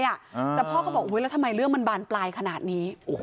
แต่พ่อก็บอกอุ๊ยแล้วทำไมเรื่องมันบานปลายขนาดนี้